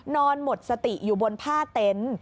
นอนหมดสติอยู่บนผ้าเต็นต์